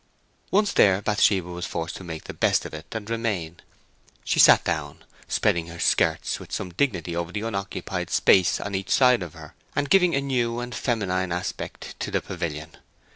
Once there, Bathsheba was forced to make the best of it and remain: she sat down, spreading her skirts with some dignity over the unoccupied space on each side of her, and giving a new and feminine aspect to the pavilion.